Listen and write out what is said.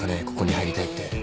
ここに入りたいって。